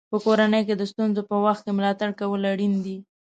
په کورنۍ کې د ستونزو په وخت کې ملاتړ کول اړین دي.